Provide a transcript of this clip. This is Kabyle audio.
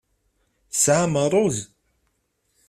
Tesɛam ṛṛuz?